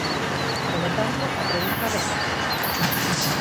Polo tanto, a pregunta decae.